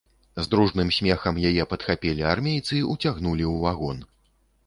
З дружным смехам яе падхапілі армейцы, уцягнулі ў вагон.